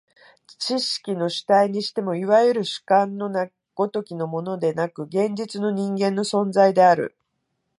知識の主体にしても、いわゆる主観の如きものでなく、現実の人間の存在である。